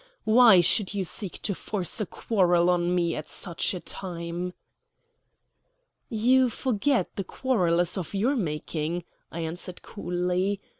Why should you seek to force a quarrel on me at such a time?" "You forget the quarrel is of your making," I answered coolly.